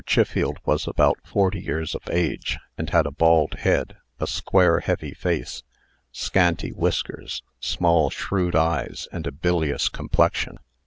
Chiffield was about forty years of age, and had a bald head, a square, heavy face, scanty whiskers, small, shrewd eyes, and a bilious complexion.